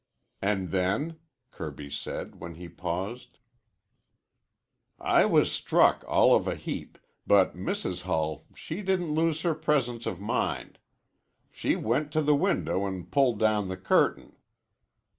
"And then?" Kirby said, when he paused. "I was struck all of a heap, but Mrs. Hull she didn't lose her presence of mind. She went to the window an' pulled down the curtain.